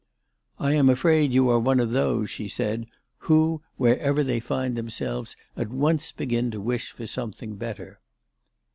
" I am afraid you are one of those," she said, " who, wherever they find themselves, at once begin to wish for something better."